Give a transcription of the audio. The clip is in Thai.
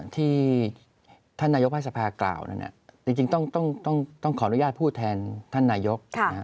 ที่ท่านนายกให้สภากล่าวนั้นจริงต้องขออนุญาตพูดแทนท่านนายก